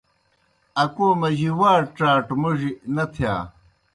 اکو مجیْ واٹ ڇاٹہ موڙیْ نہ تِھیا۔